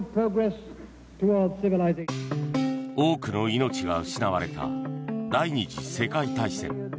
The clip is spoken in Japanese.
多くの命が失われた第２次世界大戦。